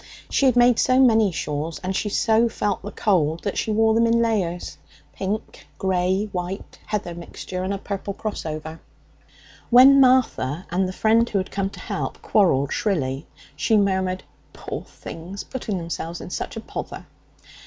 She had made so many shawls, and she so felt the cold, that she wore them in layers pink, grey, white, heather mixture, and a purple cross over. When Martha and the friend who had come to help quarrelled shrilly, she murmured, 'Poor things! putting themselves in such a pother!'